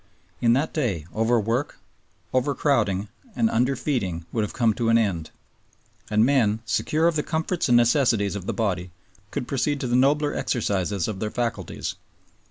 In that day overwork, overcrowding, and underfeeding would have come to an end, and men, secure of the comforts and necessities of the body, could proceed to the nobler exercises of their faculties.